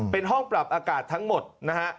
เป็นห้องปรับอากาศทั้งหมดนะฮะ